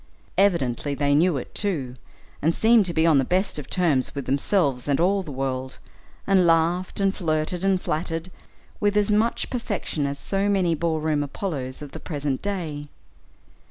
Evidently they knew it, too, and seemed to be on the best of terms with themselves and all the world, and laughed, and flirted, and flattered, with as much perfection as so many ball room Apollos of the present day.